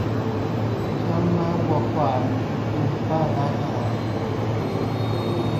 ช้างม้าวัวควาย ลุงป้าน้าอา